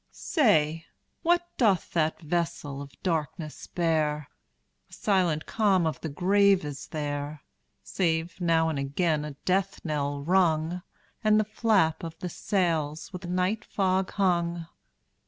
Say, what doth that vessel of darkness bear? The silent calm of the grave is there, Save now and again a death knell rung, And the flap of the sails with night fog hung.